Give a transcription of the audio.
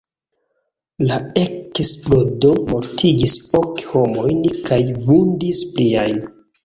La eksplodo mortigis ok homojn kaj vundis pliajn.